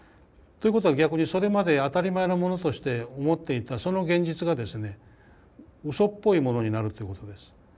ということは逆にそれまで当たり前のものとして思っていたその現実がですねうそっぽいものになるということです。